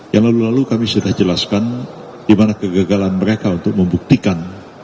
yang lalu lalu kami sudah jelaskan di mana kegagalan mereka untuk membuktikan